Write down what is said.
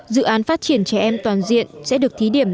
dự án phát triển trẻ em toàn diện sẽ được thí điểm